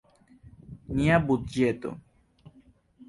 Nia budĝeto.